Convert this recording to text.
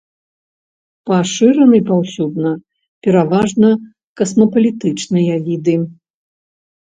Пашыраны паўсюдна, пераважна касмапалітычныя віды.